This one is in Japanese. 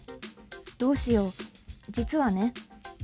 どうしよう、実はね。